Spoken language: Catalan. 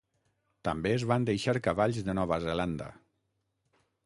També es van deixar cavalls de Nova Zelanda.